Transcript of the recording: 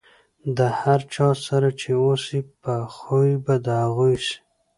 د هر چا سره چې اوسئ، په خوي به د هغو سئ.